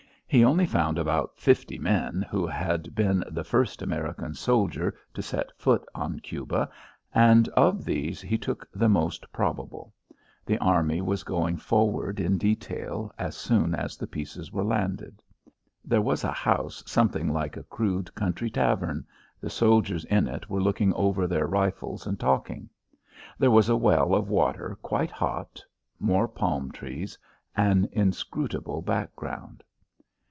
He only found about fifty men who had been the first American soldier to set foot on Cuba, and of these he took the most probable. The army was going forward in detail, as soon as the pieces were landed. There was a house something like a crude country tavern the soldiers in it were looking over their rifles and talking. There was a well of water quite hot more palm trees an inscrutable background.